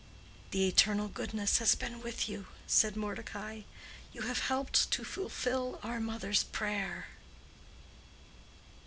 "The Eternal Goodness has been with you," said Mordecai. "You have helped to fulfill our mother's prayer."